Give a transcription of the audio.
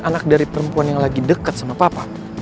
anak dari perempuan yang lagi dekat sama papa